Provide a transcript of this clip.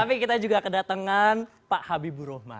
tapi kita juga kedatangan pak habibur rahman